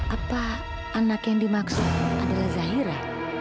apa anak yang dimaksud adalah zahira